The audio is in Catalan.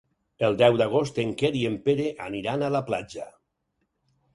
El deu d'agost en Quer i en Pere aniran a la platja.